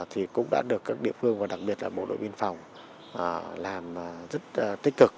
thì cũng đã được các địa phương và đặc biệt là bộ đội biên phòng làm rất tích cực